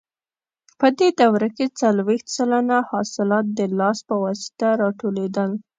په دې دوره کې څلوېښت سلنه حاصلات د لاس په واسطه راټولېدل.